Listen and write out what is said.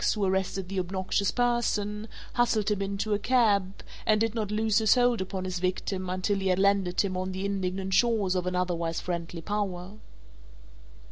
who arrested the obnoxious person, hustled him into a cab and did not loose his hold upon his victim until he had landed him on the indignant shores of an otherwise friendly power.